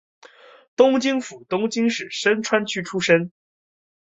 东京府东京市深川区出身。